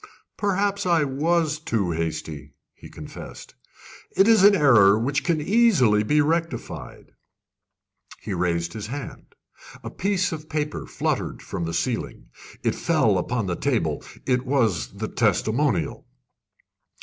"Perhaps I was too hasty," he confessed. "It is an error which can easily be rectified." He raised his hand. A piece of paper fluttered from the ceiling. It fell upon the table. It was the testimonial.